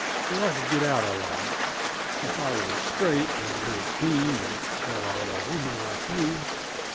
What I could get out of life, if I was straight and lived clean, and had a little woman like you.